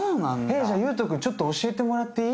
じゃあゆうとくんちょっと教えてもらっていい？